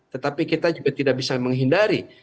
tetapi kita juga tidak bisa menghindari